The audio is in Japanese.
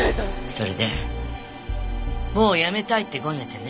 それでもうやめたいってごねてね。